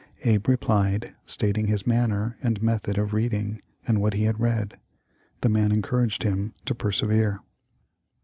Abe replied, stating his manner and method of reading, and what he had read. The man encour aged him to persevere."